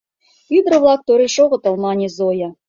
— Ӱдыр-влак тореш огытыл, — мане Зоя.